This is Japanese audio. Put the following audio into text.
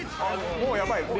もうやばい！」